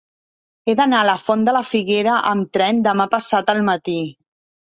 He d'anar a la Font de la Figuera amb tren demà passat al matí.